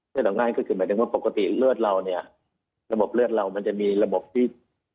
สรุปง่ายก็คือหมายถึงว่าปกติเลือดเราเนี่ยระบบเลือดเรามันจะมีระบบที่